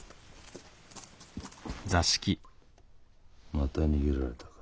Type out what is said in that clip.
また逃げられたか。